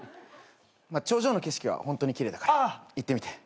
頂上の景色はホントに奇麗だから行ってみて。